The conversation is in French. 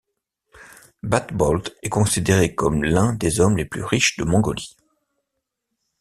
Batbold est considéré comme l'un des hommes les plus riches de Mongolie.